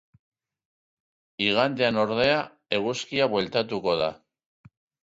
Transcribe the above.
Igandean, ordea, eguzkia bueltatuko da.